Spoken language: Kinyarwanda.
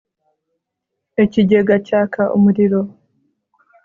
Ikigega cyaka umuriro